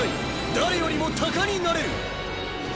誰よりも鷹になれる！！